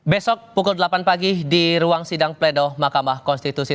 besok pukul delapan pagi di ruang sidang pledoh mahkamah konstitusi